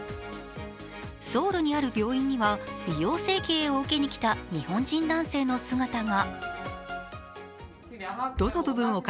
ソウルにある病院には美容整形を受けに来た日本人男性の姿が。